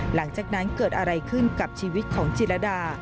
หลังจากนั้นเกิดอะไรขึ้นกับชีวิตของจิรดา